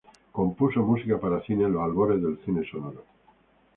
Compuso música para cine en los albores del cine sonoro.